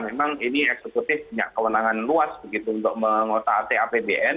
memang ini eksekutif punya kewenangan luas begitu untuk mengotak atik apbn